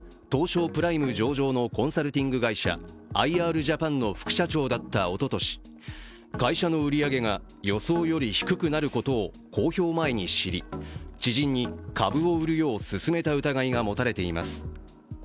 特捜部などによりますと、栗尾容疑者は当省プライム上場のコンサルティング会社、アイ・アールジャパンの副社長だったおととし、会社の売り上げが予想より低くなることを公表前に知り、知人に株を売るよう勧めた疑いが持たれています。